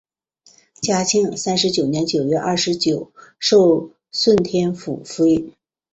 嘉靖三十九年九月廿九授顺天府府尹。